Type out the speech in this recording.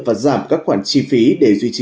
và giảm các khoản chi phí để duy trì